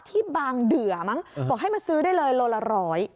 ที่บางเดือมั้งบอกให้มาซื้อได้เลยโลละร้อย